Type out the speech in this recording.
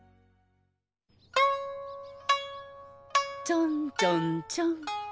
ちょんちょんちょん。